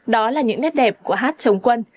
đó là những nét đẹp của hát chống quân